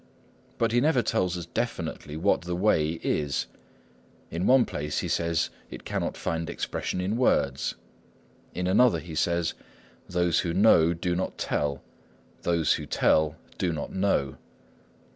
But he never tells us definitely what the Way is. In one place he says it cannot find expression in words; in another he says, "Those who know do not tell; those who tell do not know."